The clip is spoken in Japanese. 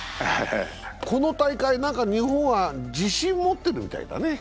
この大会、日本は自信持ってるみたいだね。